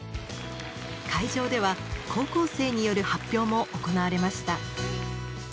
会場では高校生による発表も行われました。